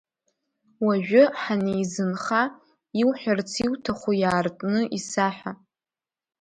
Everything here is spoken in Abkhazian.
Уажәы ҳанеизынха, иуҳәарц иуҭаху иаартны исаҳәа!